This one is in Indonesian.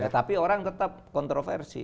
tapi orang tetap kontroversi